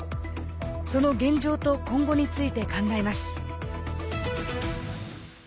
その現状と今後について考えます。